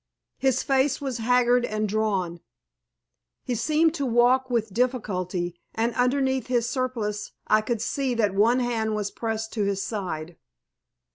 His face was haggard and drawn. He seemed to walk with difficulty, and underneath his surplice I could see that one hand was pressed to his side.